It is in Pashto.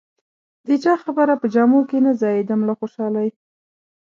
د چا خبره په جامو کې نه ځایېږم له خوشالۍ.